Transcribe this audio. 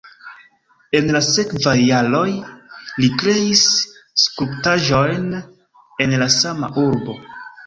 En la sekvaj jaroj li kreis skulptaĵojn en la sama urbo.